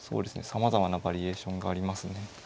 さまざまなバリエーションがありますね。